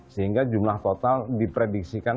sehingga jumlah total diprediksikan